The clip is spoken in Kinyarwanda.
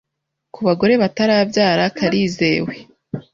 Ku bagore batarabyara karizewe